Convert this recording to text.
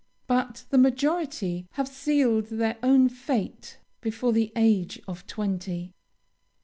But the majority have sealed their own fate before the age of twenty.